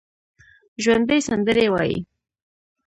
ژوندي سندرې وايي